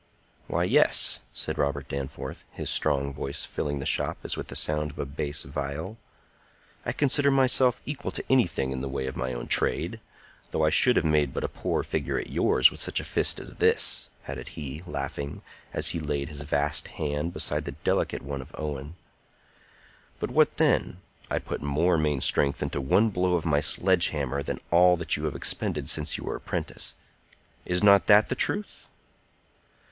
"Why, yes," said Robert Danforth, his strong voice filling the shop as with the sound of a bass viol, "I consider myself equal to anything in the way of my own trade; though I should have made but a poor figure at yours with such a fist as this," added he, laughing, as he laid his vast hand beside the delicate one of Owen. "But what then? I put more main strength into one blow of my sledge hammer than all that you have expended since you were a 'prentice. Is not that the truth?"